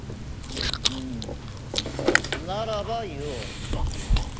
うんならば言おう。